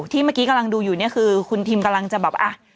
เมื่อกี้กำลังดูอยู่เนี่ยคือคุณทิมกำลังจะแบบอ่ะ